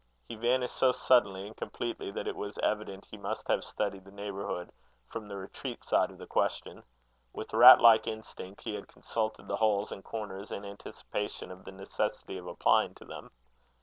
He vanished so suddenly and completely, that it was evident he must have studied the neighbourhood from the retreat side of the question. With rat like instinct, he had consulted the holes and corners in anticipation of the necessity of applying to them.